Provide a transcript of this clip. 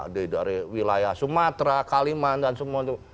dari wilayah sumatera kalimantan dan semua itu